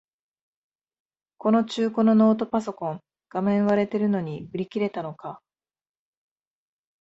この中古のノートパソコン、画面割れてるのに売り切れたのか